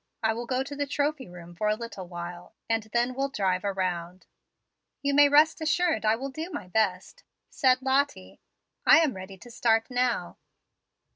I will go to the Trophy room for a little while, and then will drive around." "You may rest assured I will do my best," said Lottie. "I am ready to start now."